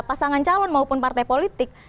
pasangan calon maupun partai politik